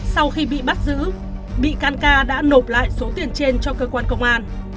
sau khi bị bắt giữ bị can ca đã nộp lại số tiền trên cho cơ quan công an